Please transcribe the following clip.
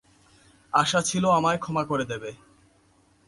আশা ছিল আমায় ক্ষমা করে দেবে।